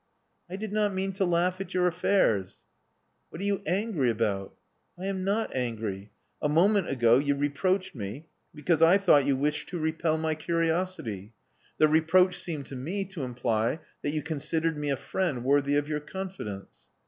*'I did not mean to laugh at your affairs." *'What are you angry about?" "I am not angry. A moment ago you reproached me because I thought you wished to repel my Love Among the Artists 263 curiosity. The reproach seemed to me to imply that you considered me a friend worthy of your confidence.